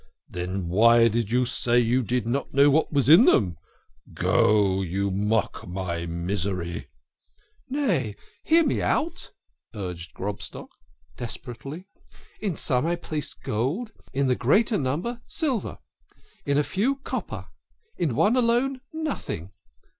" Then, why do you say you did not know what was in them? Go, you mock my misery !"" Nay, hear me out !" urged Grobstock desperately. " In some I placed gold, in the greater number silver, in a few copper, in one alone nothing.